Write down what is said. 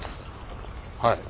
はい。